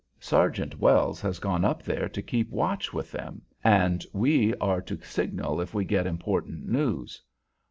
Sergeant Wells has gone up there to keep watch with them, and we are to signal if we get important news.